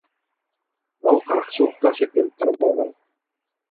Ал каракчылыкка шектелип кармалган.